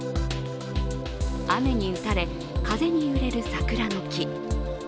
雨に打たれ、風に揺れる桜の木。